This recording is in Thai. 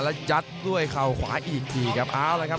แล้วจัดกับเขาควายอีกทีครับ